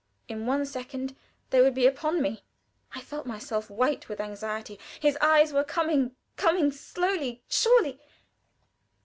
In one second they would be upon me. I felt myself white with anxiety. His eyes were coming coming slowly, surely.